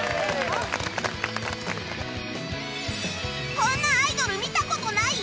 こんなアイドル見た事ない！？